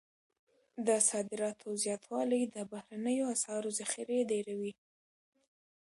د صادراتو زیاتوالی د بهرنیو اسعارو ذخیرې ډیروي.